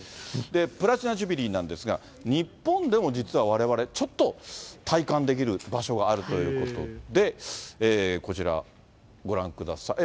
プラチナ・ジュビリーなんですが、日本でも実はわれわれ、ちょっと体感できる場所があるということで、こちらご覧ください。